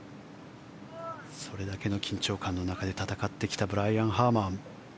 それだけの緊張感の中で戦ってきたブライアン・ハーマン。